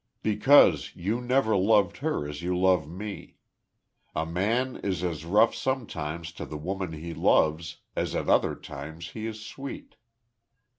"Because you never loved her as you love me. A man is as rough sometimes to the woman he loves as at other times he is sweet."